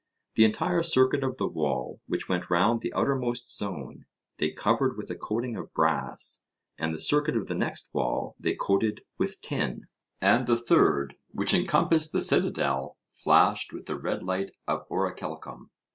The entire circuit of the wall, which went round the outermost zone, they covered with a coating of brass, and the circuit of the next wall they coated with tin, and the third, which encompassed the citadel, flashed with the red light of orichalcum.